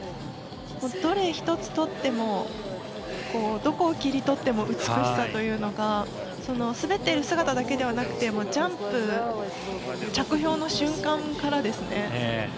どれ１つとってもどこを切り取っても美しさというのが滑っている姿だけではなくてジャンプ、着氷の瞬間からですね。